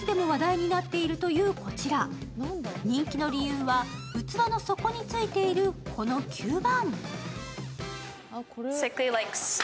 人気の理由は、器の底についているこの吸盤。